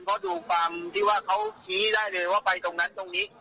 เพราะดูความที่ว่าเขาชี้ได้เลยว่าไปตรงนั้นตรงนี้